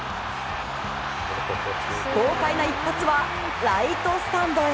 豪快な一発はライトスタンドへ。